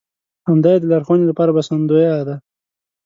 همدا يې د لارښوونې لپاره بسندويه ده.